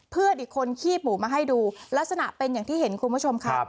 เพื่อนอีกคนขี้ปู่มาให้ดูลักษณะเป็นอย่างที่เห็นคุณผู้ชมค่ะ